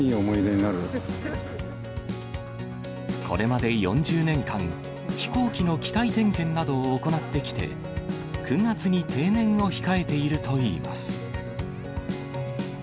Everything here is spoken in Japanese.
これまで４０年間、飛行機の機体点検などを行ってきて、９月に定年を控えているといいます。